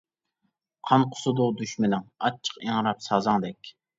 قان قۇسىدۇ دۈشمىنىڭ، ئاچچىق ئىڭراپ سازاڭدەك.